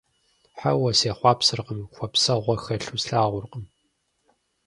Хьэуэ, сехъуапсэркъым, хъуэпсэгъуэ хэлъу слъагъуркъым.